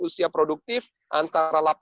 usia produktif antara delapan belas